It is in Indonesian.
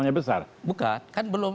hanya karena suara elektronik besar